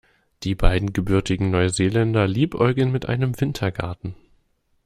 Die beiden gebürtigen Neuseeländer liebäugeln mit einem Wintergarten.